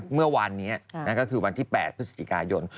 เมื่อวานนี้ก็คือวันที่๘พฤศจิกายน